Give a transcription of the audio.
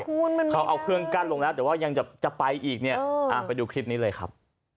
พวกเขาเอาเครื่องกั้นลงแล้วเดียวว่ายังจะไปอีกไปดูคลิปนี้เลยครับ